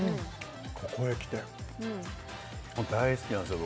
ここへきて大好きなんですよ